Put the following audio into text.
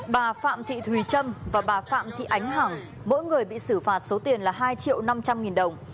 bà phạm thị thùy trâm và bà phạm thị ánh hẳn mỗi người bị xử phạt số tiền là hai triệu năm trăm linh nghìn đồng